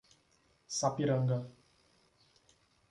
Sapiranga